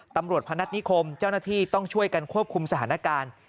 ตำรวจพนัฐนิคมเจ้าหน้าที่ต้องช่วยกันควบคุมสถานการณ์